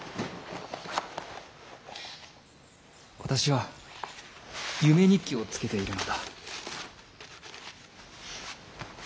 私は夢日記をつけているのだ。